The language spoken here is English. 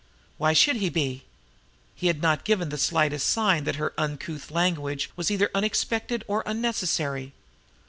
Why should he be? He had given not the slightest sign that her uncouth language was either unexpected or unnecessary.